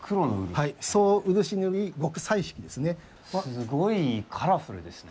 すごいカラフルですね。